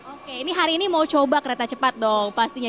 oke ini hari ini mau coba kereta cepat dong pastinya